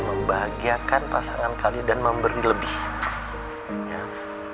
membahagiakan pasangan kalian dan memberi lebih